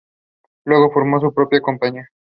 It is truly time that the bourgeoisie again awakens.